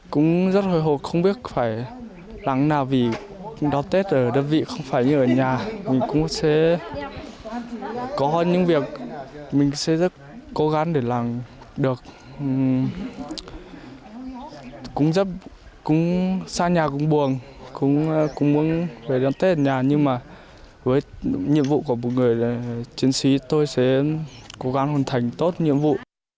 cũng rất cũng xa nhà cũng buồn cũng muốn về đón tết ra nhà nhưng mà với nhiệm vụ của một người là chiến sĩ tôi sẽ cố gắng hoàn thành tốt nhiệm vụ